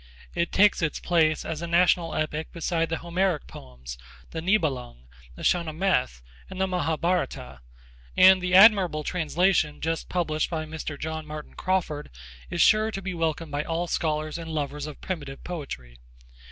It takes its place as a national epic beside the Homeric poems, the Niebelunge, the Shahnameth and the Mahabharata, and the admirable translation just published by Mr. John Martin Crawford is sure to be welcomed by all scholars and lovers of primitive poetry.